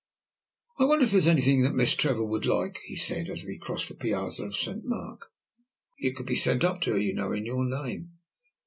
"I wonder if there is anything that Miss Trevor would like," he said, as we crossed the piazza of Saint Mark. "It could be sent up to her, you know, in your name."